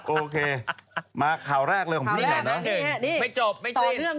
โอเคมาข่าวแรกเรื่องของพี่หนึ่งเหรอไม่จบไม่จริง